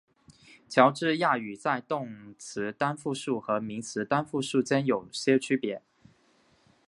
乔治亚语在动词单复数和名词单复数间有些区别。